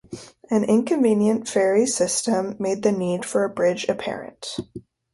An inconvenient ferry system made the need for a bridge apparent.